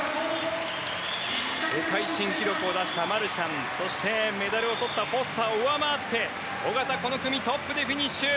世界新記録を出したマルシャンそして、メダルをとったフォスターを上回って小方、この組トップでフィニッシュ。